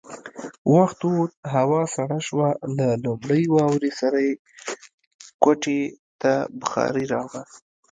وخت ووت، هوا سړه شوه، له لومړۍ واورې سره يې کوټې ته بخارۍ راوړه.